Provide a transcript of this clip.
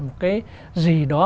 một cái gì đó